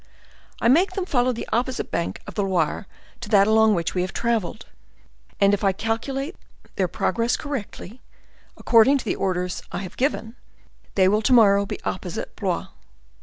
I make them follow the opposite bank of the Loire to that along which we have traveled; and if I calculate their progress correctly, according to the orders I have given, they will to morrow be opposite Blois."